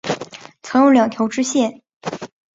曾有两条支线。